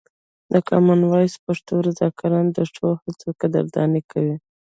د کامن وایس پښتو رضاکاران د ښو هڅو قدرداني کوي.